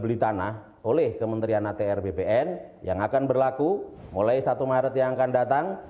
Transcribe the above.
beli tanah oleh kementerian atr bpn yang akan berlaku mulai satu maret yang akan datang